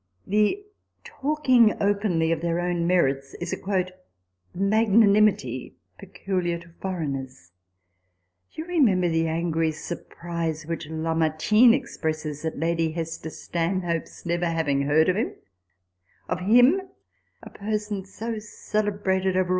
The talking openly of their own merits is a " mag nanimity " peculiar to foreigners. You remember the angry surprise which Lamartine expresses at Lady Hester Stanhope's never having heard of him, of him, a person so celebrated over ah 1 the world